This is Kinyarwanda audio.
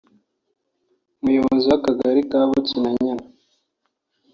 umuyobozi w’Akagari ka Bukinanyana